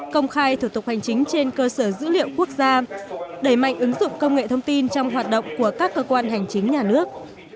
công khai thủ tục hành chính trên cơ sở dữ liệu quốc gia đẩy mạnh ứng dụng công nghệ thông tin trong hoạt động của các cơ quan hành chính nhà nước